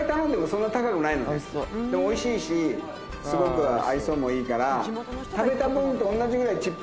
おいしいしすごく愛想もいいから。